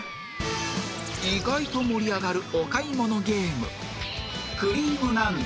意外と盛り上がるお買い物ゲーム